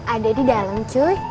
ada di dalam cuy